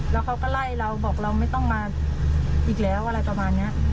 แล้วเขาก็ไล่เราบอกเราไม่ต้องมาอีกแล้วอะไรประมาณนี้